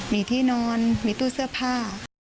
มีที่นอนมีตู้เสื้อผ้า